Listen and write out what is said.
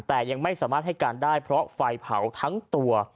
แต่ยังไม่สามารถให้การได้เพราะไฟเผาทั้งตัว